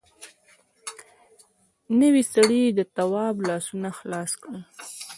نوي سړي د تواب لاسونه خلاص کړل.